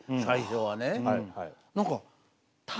最初はね。